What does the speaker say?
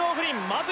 まず